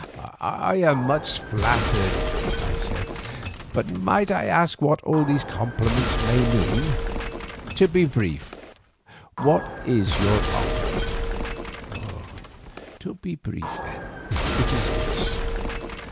"I am much flattered," I said, "but might I ask what all these compliments may mean? To be brief, what is your offer?" "To be brief then, it is this.